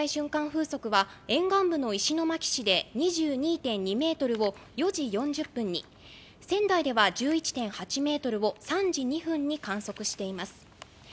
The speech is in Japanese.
風速は沿岸部の石巻市で２２．２メートルを４時４０分に仙台では１１．８メートルを３時２分に観測しています。